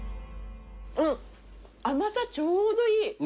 あっ甘さちょうどいい。